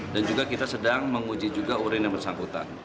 dan juga kita sedang menguji juga urin yang bersangkutan